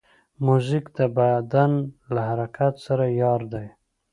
موزیک د بدن له حرکت سره یار دی.